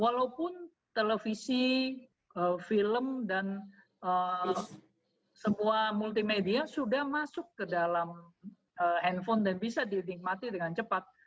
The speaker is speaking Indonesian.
walaupun televisi film dan semua multimedia sudah masuk ke dalam handphone dan bisa dinikmati dengan cepat